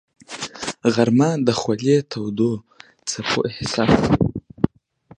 غرمه د خولې تودو څپو احساس ورکوي